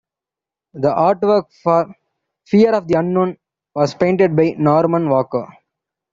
The artwork for "Fear of the Unknown" was painted by Norman Walker.